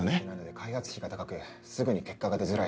開発費が高くすぐに結果が出づらい